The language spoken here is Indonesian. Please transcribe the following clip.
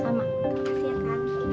terima kasih ya kak